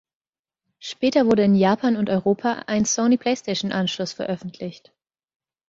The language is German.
Später wurde in Japan und Europa ein Sony PlayStation-Anschluss veröffentlicht.